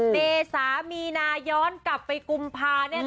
เตสามีนาย้อนกลับไปกุมพาเนี่ยนะ